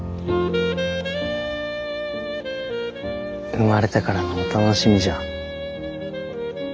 生まれてからのお楽しみじゃ。